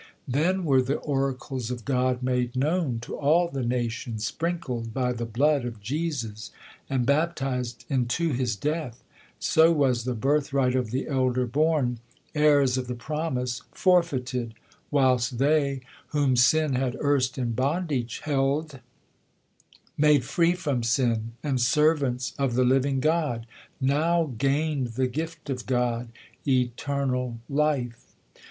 Then were the oracles of God made known To all the nations, sprinkled by the blood Of Jesus, and baptiz'd into his death ; So was the birthright of th^ elder born, Heirs of the promise, forfeited ; whilst they, Whom sin had erst in bondage held, made free iProm sin, and servants of the living God, Now gain'd the gift of God, eternal life.